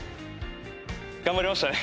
頑張りましたね。